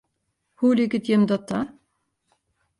Hoe liket jim dat ta?